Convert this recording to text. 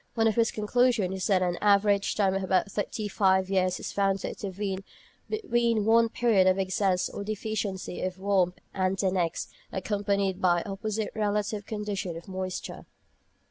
One of his conclusions is that an average time of about thirty five years is found to intervene between one period of excess or deficiency of warmth and the next, accompanied by the opposite relative condition of moisture.